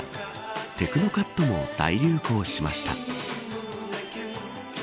テクノカットも大流行しました。